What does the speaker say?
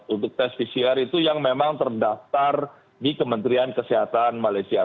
nah ini adalah satu dari beberapa klinik atau untuk tes pcr itu yang termadaftar di kementerian kesehatan malaysia